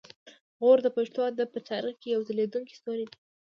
غور د پښتو ادب په تاریخ کې یو ځلیدونکی ستوری دی